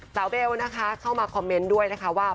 เบลนะคะเข้ามาคอมเมนต์ด้วยนะคะว่า